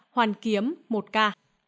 hoàn kiếm một ca